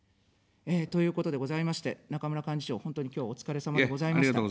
ということでございまして、中村幹事長、本当に今日はお疲れさまでございました。